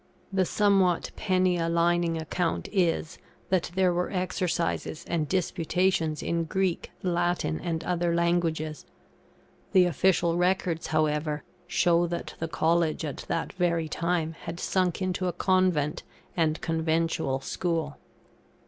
The somewhat penny a lining account is, that there were exercises and disputations in Greek, Latin, and other languages! The official records, however, show that the College at that very time had sunk into a convent and conventual school.